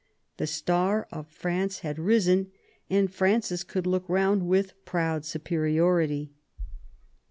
The star of France had risen, and. Francis could look round with proud superiority.